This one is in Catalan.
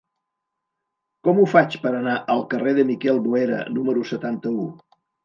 Com ho faig per anar al carrer de Miquel Boera número setanta-u?